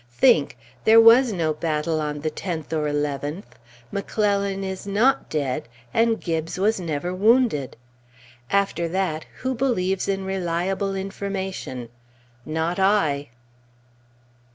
Think! There was no battle on the 10th or 11th, McClellan is not dead, and Gibbes was never wounded! After that, who believes in reliable information? Not I!